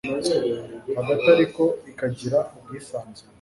hagati ariko ikagira ubwisanzure